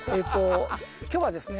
今日はですね